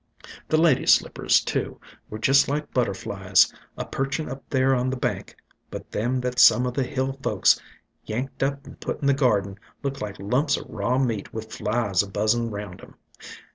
The Ladies' Slippers, too, were just like butterflies, a perchin' up there on the bank; but them that some o' the Hill Top folks yanked up and put in the garden looked like lumps o' raw meat with flies a buzzin' round 'em.